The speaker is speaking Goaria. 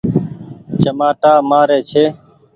چمآٽآ مآري ڇي۔